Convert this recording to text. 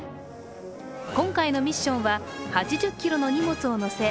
今回のミッションは８０ｋｇの荷物を載せ